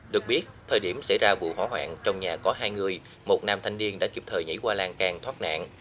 được biết thời điểm xảy ra vụ hỏa hoạn trong nhà có hai người một nam thanh niên đã kịp thời nhảy qua làng càng thoát nạn